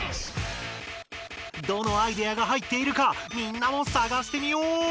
どのアイデアが入っているかみんなもさがしてみよう！